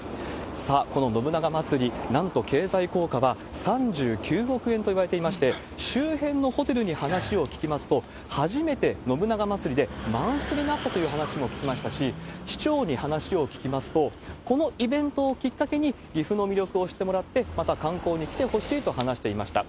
さあ、この信長まつり、なんと経済効果は３９億円といわれていまして、周辺のホテルに話を聞きますと、初めて信長まつりで満室になったという話も聞きましたし、市長に話を聞きますと、このイベントをきっかけに岐阜の魅力を知ってもらって、また観光に来てほしいと話していました。